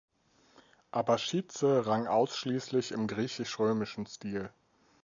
Abaschidse rang ausschließlich im griechisch-römischen Stil.